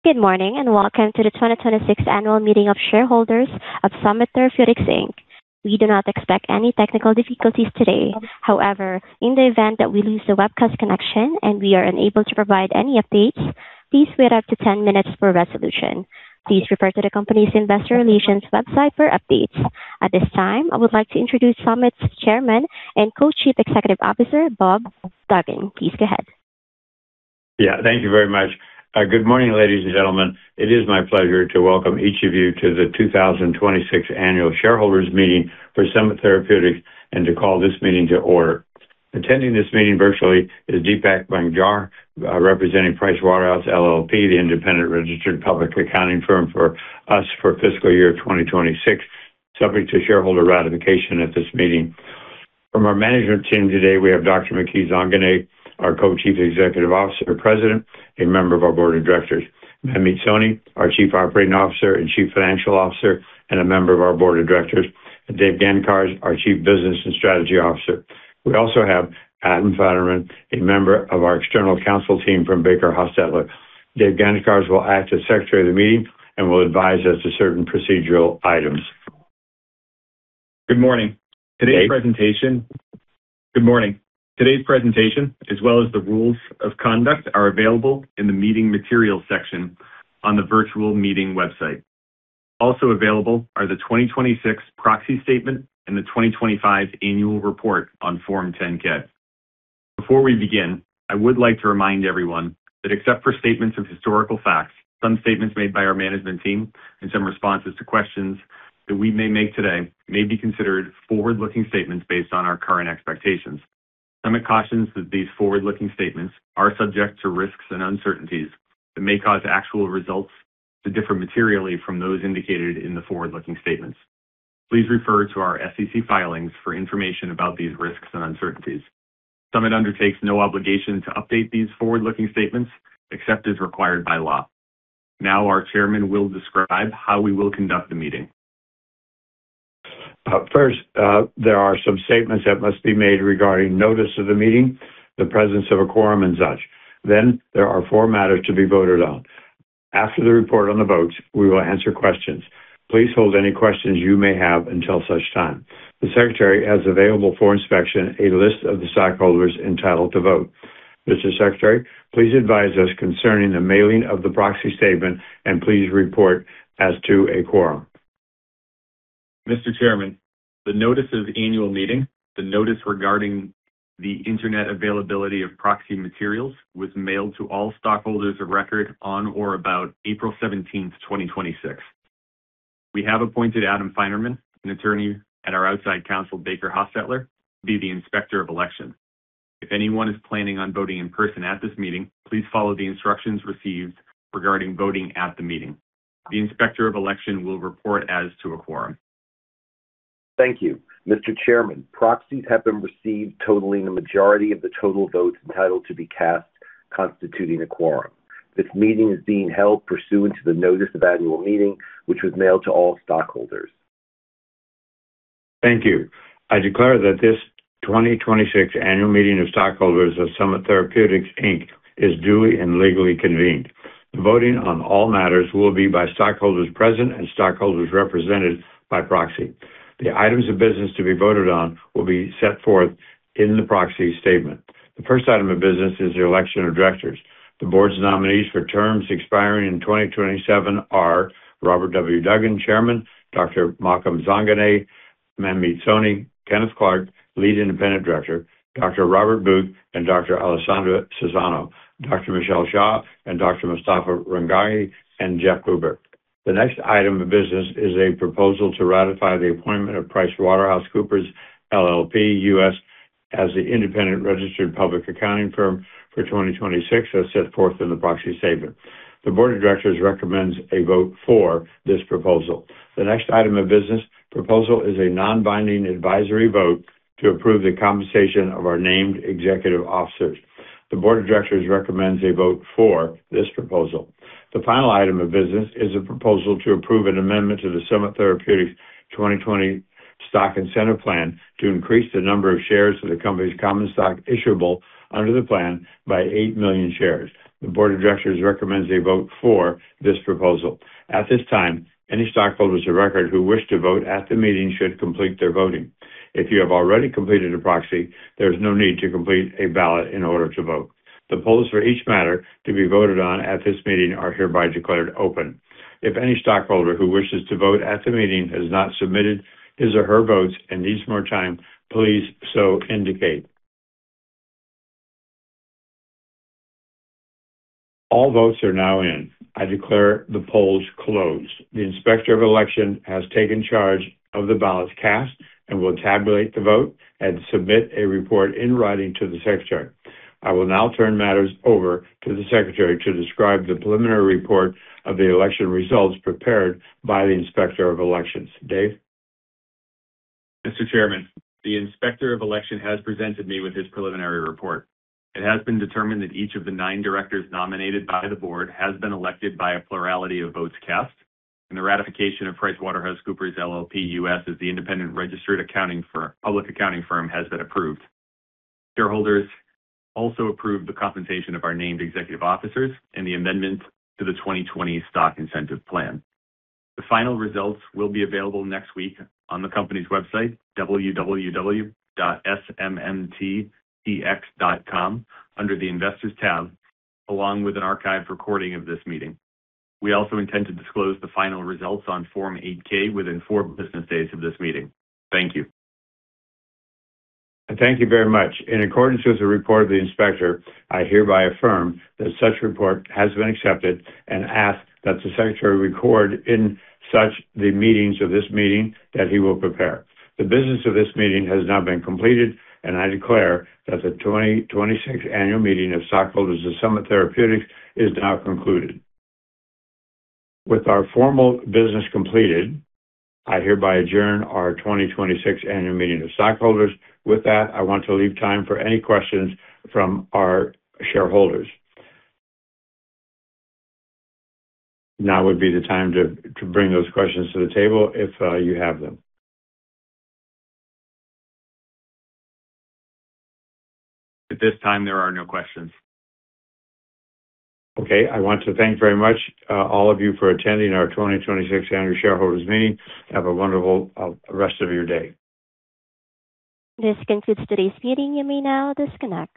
Good morning, welcome to the 2026 annual meeting of shareholders of Summit Therapeutics Inc. We do not expect any technical difficulties today. However, in the event that we lose the webcast connection and we are unable to provide any updates, please wait up to 10 minutes for resolution. Please refer to the company's investor relations website for updates. At this time, I would like to introduce Summit's Chairman and Co-Chief Executive Officer, Bob Duggan. Please go ahead. Thank you very much. Good morning, ladies and gentlemen. It is my pleasure to welcome each of you to the 2026 annual shareholders meeting for Summit Therapeutics and to call this meeting to order. Attending this meeting virtually is Deepak Bhandarkar, representing Pricewaterhouse LLP, the independent registered public accounting firm for us for fiscal year 2026, subject to shareholder ratification at this meeting. From our management team today, we have Dr. Maky Zanganeh, our Co-Chief Executive Officer and President, a member of our Board of Directors. Manmeet Soni, our Chief Operating Officer and Chief Financial Officer, and a member of our Board of Directors. Dave Gancarz, our Chief Business and Strategy Officer. We also have Adam Finerman, a member of our external counsel team from BakerHostetler. Dave Gancarz will act as secretary of the meeting and will advise us to certain procedural items. Good morning. Today's presentation, as well as the rules of conduct, are available in the meeting materials section on the virtual meeting website. Also available are the 2026 proxy statement and the 2025 annual report on Form 10-K. Before we begin, I would like to remind everyone that except for statements of historical fact, some statements made by our management team and some responses to questions that we may make today may be considered forward-looking statements based on our current expectations. Summit cautions that these forward-looking statements are subject to risks and uncertainties that may cause actual results to differ materially from those indicated in the forward-looking statements. Please refer to our SEC filings for information about these risks and uncertainties. Summit undertakes no obligation to update these forward-looking statements except as required by law. Our chairman will describe how we will conduct the meeting. First, there are some statements that must be made regarding notice of the meeting, the presence of a quorum, and such. There are four matters to be voted on. After the report on the votes, we will answer questions. Please hold any questions you may have until such time. The secretary has available for inspection a list of the stockholders entitled to vote. Mr. Secretary, please advise us concerning the mailing of the proxy statement and please report as to a quorum. Mr. Chairman, the notice of annual meeting, the notice regarding the internet availability of proxy materials, was mailed to all stockholders of record on or about April 17th, 2026. We have appointed Adam Finerman, an Attorney at our outside counsel, BakerHostetler, to be the Inspector of Election. If anyone is planning on voting in person at this meeting, please follow the instructions received regarding voting at the meeting. The Inspector of Election will report as to a quorum. Thank you. Mr. Chairman, proxies have been received totaling the majority of the total votes entitled to be cast, constituting a quorum. This meeting is being held pursuant to the notice of annual meeting, which was mailed to all stockholders. Thank you. I declare that this 2026 annual meeting of stockholders of Summit Therapeutics Inc is duly and legally convened. The voting on all matters will be by stockholders present and stockholders represented by proxy. The items of business to be voted on will be set forth in the proxy statement. The first item of business is the election of directors. The board's nominees for terms expiring in 2027 are Robert W. Duggan, Chairman, Dr. Maky Zanganeh, Manmeet Soni, Kenneth Clark, Lead Independent Director, Dr. Robert Booth and Dr. Alessandra Cesano, Dr. Michelle Xia and Dr. Mostafa Ronaghi, and Jeff Huber. The next item of business is a proposal to ratify the appointment of PricewaterhouseCoopers LLP as the independent registered public accounting firm for 2026, as set forth in the proxy statement. The Board of Directors recommends a vote for this proposal. The next item of business proposal is a non-binding advisory vote to approve the compensation of our named executive officers. The Board of Directors recommends a vote for this proposal. The final item of business is a proposal to approve an amendment to the Summit Therapeutics 2020 Stock Incentive Plan to increase the number of shares of the company's common stock issuable under the plan by eight million shares. The Board of Directors recommends a vote for this proposal. At this time, any stockholders of record who wish to vote at the meeting should complete their voting. If you have already completed a proxy, there's no need to complete a ballot in order to vote. The polls for each matter to be voted on at this meeting are hereby declared open. If any stockholder who wishes to vote at the meeting has not submitted his or her votes and needs more time, please so indicate. All votes are now in. I declare the polls closed. The Inspector of Election has taken charge of the ballots cast and will tabulate the vote and submit a report in writing to the Secretary. I will now turn matters over to the Secretary to describe the preliminary report of the election results prepared by the Inspector of Election. Dave? Mr. Chairman, the Inspector of Election has presented me with his preliminary report. It has been determined that each of the nine directors nominated by the board has been elected by a plurality of votes cast, and the ratification of PricewaterhouseCoopers LLP U.S. as the independent registered public accounting firm has been approved. Shareholders also approved the compensation of our named executive officers and the amendment to the 2020 Stock Incentive Plan. The final results will be available next week on the company's website, www.smmttx.com, under the Investors tab, along with an archived recording of this meeting. We also intend to disclose the final results on Form 8-K within four business days of this meeting. Thank you. Thank you very much. In accordance with the report of the Inspector, I hereby affirm that such report has been accepted and ask that the Secretary record in such the meetings of this meeting that he will prepare. The business of this meeting has now been completed, and I declare that the 2026 Annual Meeting of stockholders of Summit Therapeutics is now concluded. With our formal business completed, I hereby adjourn our 2026 Annual Meeting of stockholders. With that, I want to leave time for any questions from our shareholders. Now would be the time to bring those questions to the table if you have them. At this time, there are no questions. Okay. I want to thank very much all of you for attending our 2026 annual shareholders meeting. Have a wonderful rest of your day. This concludes today's meeting. You may now disconnect.